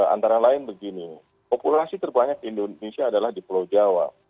antara lain begini populasi terbanyak di indonesia adalah di pulau jawa